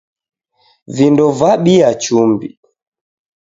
Vindo vabia chumbi.